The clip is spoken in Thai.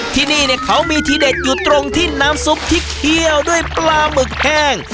ที่นี่เนี่ยเขามีทีเด็ดอยู่ตรงที่น้ำซุปที่เคี่ยวด้วยปลาหมึกแห้ง